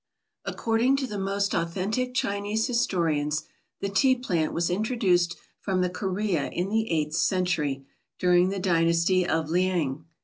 According to the most authentic Chinese historians, the Tea plant was introduced from the Corea in the eighth century, during the dynasty of Lyang.